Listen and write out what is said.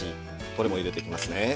これも入れていきますね。